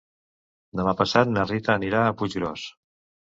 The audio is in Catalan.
Demà passat na Rita anirà a Puiggròs.